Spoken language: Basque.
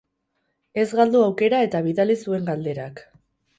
Ez galdu aukera eta bidali zuen galderak.